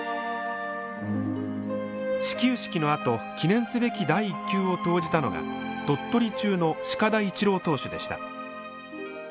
始球式のあと記念すべき第１球を投じたのが鳥取中の鹿田一郎投手でした。